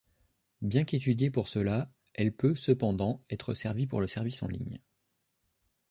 Bien qu'étudiée pour cela, elle peut, cependant, être servie pour le service en ligne.